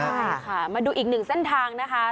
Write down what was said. ใช่ค่ะมาดูอีกหนึ่งเส้นทางนะคะ